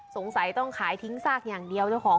สงสัยต้องขายทิ้งซากอย่างเดียวเจ้าของ